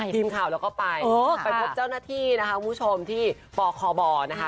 ทีมข่าวเราก็ไปไปพบเจ้าหน้าที่นะคะคุณผู้ชมที่ปคบนะคะ